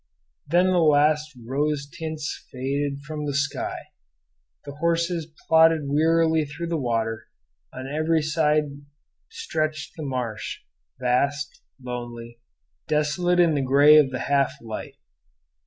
Then the last rose tints faded from the sky; the horses plodded wearily through the water; on every side stretched the marsh, vast, lonely, desolate in the gray of the half light.